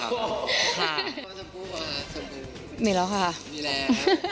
พ่อสมบูรณ์ว่าสมมือมีแล้วค่ะมีแล้ว